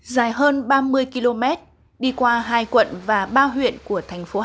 dài hơn ba mươi km đi qua hai quận và ba huyện của thành phố hà nội